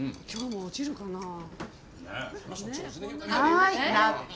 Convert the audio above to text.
今日も落ちるかなぁ。